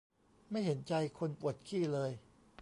ไม่เห็นใจคนปวดขี้เลย